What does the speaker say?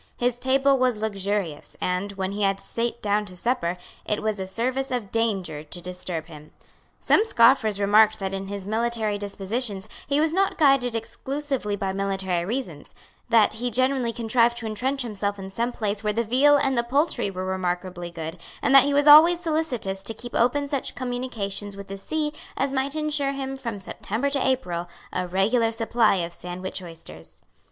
His table was luxurious; and, when he had sate down to supper, it was a service of danger to disturb him. Some scoffers remarked that in his military dispositions he was not guided exclusively by military reasons, that he generally contrived to entrench himself in some place where the veal and the poultry were remarkably good, and that he was always solicitous to keep open such communications with the sea as might ensure him, from September to April, a regular supply of Sandwich oysters.